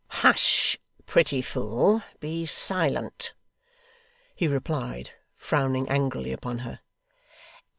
'Hush, pretty fool be silent,' he replied, frowning angrily upon her.